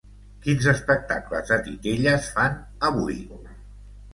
Quins espectacles de titelles fan, avui?